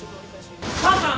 母さん！